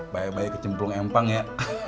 bayi bayi kejemplung empang ya